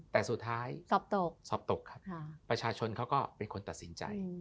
แต่สุดท้ายสอบตกสอบตกครับประชาชนเขาก็เป็นคนตัดสินใจ